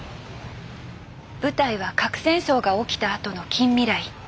舞台は核戦争が起きたあとの近未来。